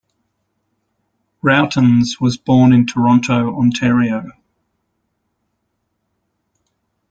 Rautins was born in Toronto, Ontario.